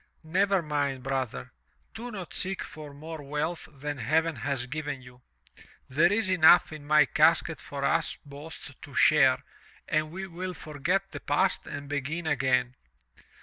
"Never mind, brother, do not seek for more wealth than heaven has given you. There is enough in my casket for us both to share and we will forget the past and begin again."